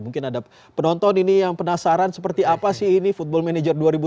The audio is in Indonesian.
mungkin ada penonton ini yang penasaran seperti apa sih ini football manager dua ribu dua puluh